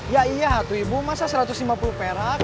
ya iya satu ibu masa satu ratus lima puluh perak